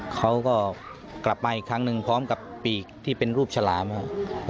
เขาก็กลับมาอีกครั้งหนึ่งพร้อมกับปีกที่เป็นรูปฉลามครับ